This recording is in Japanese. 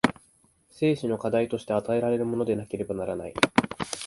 生死の課題として与えられるものでなければならない。